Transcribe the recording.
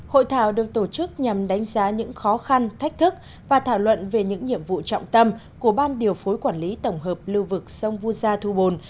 hội thảo được tổ chức nhằm đánh giá những khó khăn thách thức và thảo luận về những nhiệm vụ trọng tâm của ban điều phối quản lý tổng hợp lưu vực sông vu gia thu bồn